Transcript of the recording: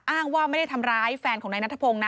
อ้างว่าไม่ได้ทำร้ายแฟนของนายนัทพงศ์นะ